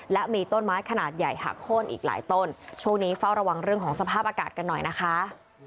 และมีต้นไม้ขนาดใหญ่หักโค้นอีกหลายต้นช่วงนี้เฝ้าระวังเรื่องของสภาพอากาศกันหน่อยนะคะ